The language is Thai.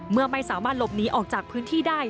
เมื่อไม่สามารถหลบหนีออกจากพื้นที่ได้